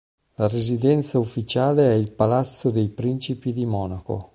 La residenza ufficiale è il palazzo dei Principi di Monaco.